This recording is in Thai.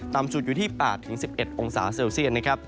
ต่ำสุดอยู่ที่๘๑๑องศาเซลเซียต